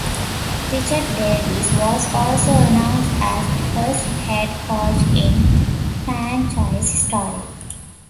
Richard Davis was also announced as the first head coach in franchise history.